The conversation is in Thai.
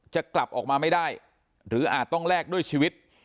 จะกลับออกมาไม่ได้หรืออาจต้องแลกด้วยชีวิต